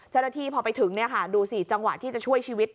เจ้าหน้าที่พอไปถึงดูสิจังหวะที่จะช่วยชีวิต